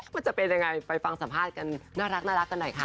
มันจะเป็นยังไงไปฟังสัมภาษณ์กันน่ารักกันหน่อยค่ะ